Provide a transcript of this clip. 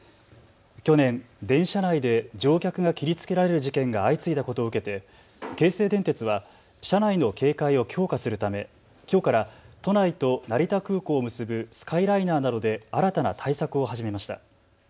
去年、電車内で乗客が切りつけられる事件が相次いだことを受けて京成電鉄は車内の警戒を強化するため、きょうから都内と成田空港を結ぶスカイライナーなどで新たな対策を始めました。